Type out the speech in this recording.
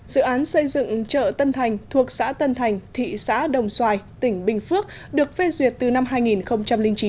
dự án xây dựng chợ tân thành thuộc xã tân thành thị xã đồng xoài tỉnh bình phước được phê duyệt từ năm hai nghìn chín